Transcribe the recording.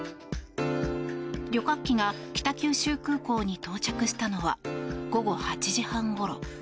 旅客機が北九州空港に到着したのは午後８時半ごろ。